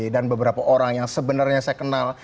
dan beberapa orang yang sebenarnya saya kenal